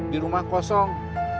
di rumah kosong